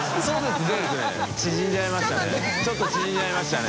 ちょっと縮んじゃいましたね。